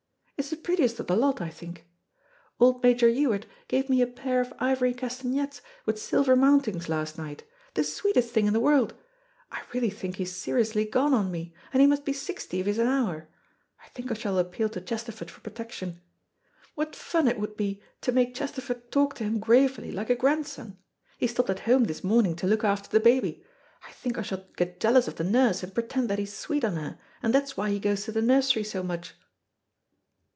It's the prettiest of the lot, I think. Old Major Ewart gave me a pair of ivory castanets with silver mountings last night, the sweetest things in the world. I really think he is seriously gone on me, and he must be sixty if he's an hour. I think I shall appeal to Chesterford for protection. What fun it would be to make Chesterford talk to him gravely like a grandson. He stopped at home this morning to look after the baby. I think I shall get jealous of the nurse, and pretend that he's sweet on her, and that's why he goes to the nursery so much."